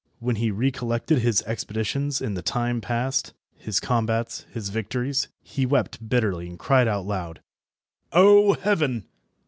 When he recollected his expeditions in the time past, his combats, his victories, he wept bitterly, and cried out aloud— "O Heaven!